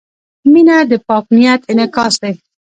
• مینه د پاک نیت انعکاس دی.